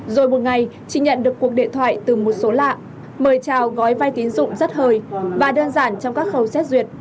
rồi một ngày chị nhận được cuộc điện thoại từ một số lạ mời chào gói vay tín dụng rất hơi và đơn giản trong các khâu xét duyệt